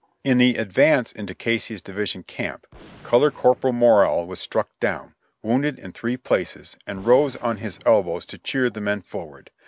"In the advance into Casey's division camp. Color Corporal Morrill was struck down, wounded in three places, and rose on his elbows to cheer the men forward.